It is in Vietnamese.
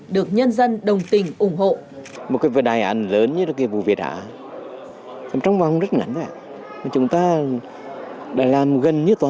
được nhân dân đồng tình ủng hộ